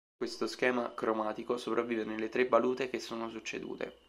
Questo schema cromatico sopravvive nelle tre valute che sono succedute.